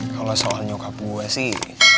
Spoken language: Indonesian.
kalau soal nyokap gue sih